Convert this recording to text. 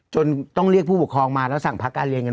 จนต้องเรียกผู้ปกครองมาแล้วสั่งพักการเรียนกัน